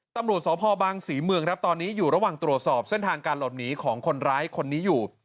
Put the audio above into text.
ตำรวจสพบางศรีเมืองครับตอนนี้อยู่ระหว่างตรวจสอบเส้นทางการหลบหนีของคนร้ายคนนี้อยู่